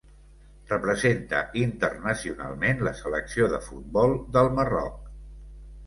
Representa internacionalment la selecció de futbol del Marroc.